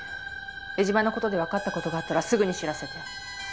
江島の事でわかった事があったらすぐに知らせて。